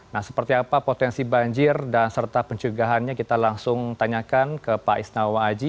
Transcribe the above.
nah seperti apa potensi banjir dan serta pencegahannya kita langsung tanyakan ke pak isnawa aji